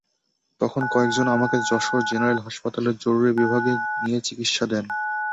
তখন কয়েকজন আমাকে যশোর জেনারেল হাসপাতালের জরুরি বিভাগে নিয়ে চিকিৎসা দেন।